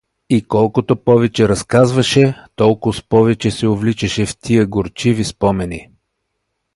И колкото повече разказваше, толкоз повече се увличаше в тия горчиви спомени.